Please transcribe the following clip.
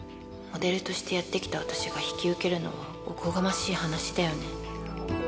モデルとしてやってきた私が引き受けるのは、おこがましい話だよね。